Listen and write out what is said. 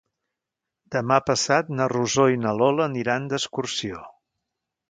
Demà passat na Rosó i na Lola aniran d'excursió.